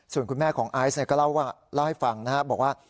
ส่วนคุณแม่ของไอซ์ก็เล่าให้ฟังนะครับบอกว่า